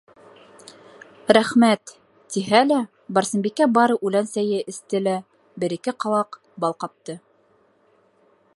«Рәхмәт» тиһә лә, Барсынбикә бары үлән сәйе эсте лә, бер-ике ҡалаҡ бал ҡапты.